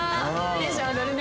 テンション上がるね。